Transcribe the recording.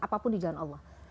apapun di jalan allah